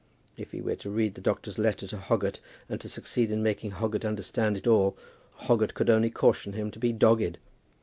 If he were to read the doctor's letter to Hoggett, and to succeed in making Hoggett understand it all, Hoggett could only caution him to be dogged.